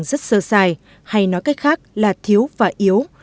nó đang rất sơ sai hay nói cách khác là thiếu và yếu